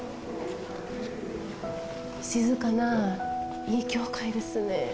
静かな、いい教会ですね。